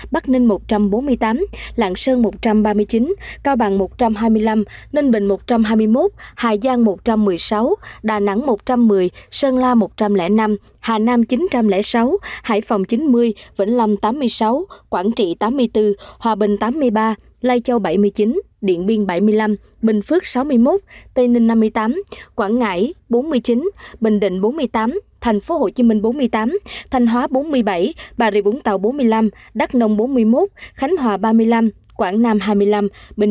bắc ninh một trăm bốn mươi tám lạng sơn một trăm ba mươi chín cao bằng một trăm hai mươi năm ninh bình một trăm hai mươi một hà giang một trăm một mươi sáu đà nẵng một trăm một mươi sơn la một trăm linh năm hà nam chín trăm linh sáu hải phòng chín mươi vĩnh lâm tám mươi sáu quảng trị tám mươi bốn hòa bình tám mươi ba lai châu bảy mươi chín điện biên bảy mươi năm bình phước sáu mươi một tây ninh năm mươi tám quảng ngãi bốn mươi chín bình định bốn mươi tám thành phố hồ chí minh bốn mươi tám thành hóa bốn mươi bảy bà rịa vũng tàu bốn mươi năm đắk ninh năm mươi tám hà giang một trăm một mươi sáu đà nẵng một trăm một mươi sơn la một trăm linh năm hà nam chín trăm linh sáu hải phòng chín mươi vĩnh lâm tám mươi sáu quảng trị tám mươi bốn hòa bình tám mươi ba lai châu bảy mươi chín điện biên bảy mươi năm